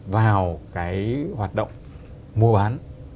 vào cái hoạt động mua bán